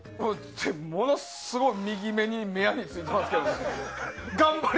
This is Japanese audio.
ものすごい右目に目ヤニついてますけど。